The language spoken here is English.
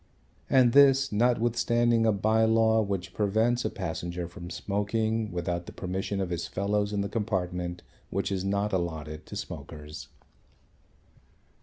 And this, notwithstanding a bye law which prevents a passenger from smoking without the permission of his fellows in the compartment which is not allotted to smokers.